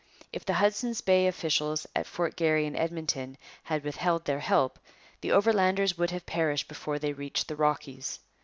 If the Hudson's Bay officials at Fort Garry and Edmonton had withheld their help, the Overlanders would have perished before they reached the Rockies.